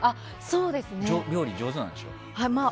料理が上手なんでしょ？